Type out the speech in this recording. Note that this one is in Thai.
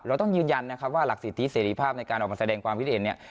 ต้องยืนยันนะครับว่าหลักสิทธิเสรีภาพในการออกมาแสดงความคิดเห็นเนี่ย